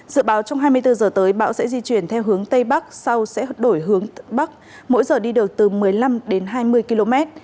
dự báo trong hai mươi bốn h tới bão sẽ di chuyển theo hướng tây bắc sau sẽ đổi hướng bắc mỗi giờ đi được từ một mươi năm đến hai mươi km